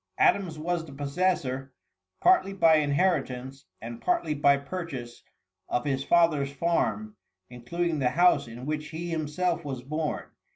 Adams was the possessor, partly by inheritance and partly by purchase, of his father's farm, including the house in which he himself was born.